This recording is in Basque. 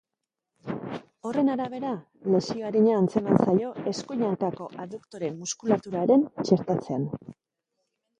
Horren arabera lesio arina antzeman zaio eskuin hankako adduktore muskulaturaren txertatzean.